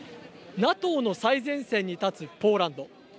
ＮＡＴＯの最前線に立つポーランド。